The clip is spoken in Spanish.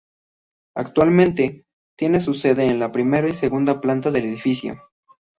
Actualmente, tiene su sede en la primera y segunda planta del edificio.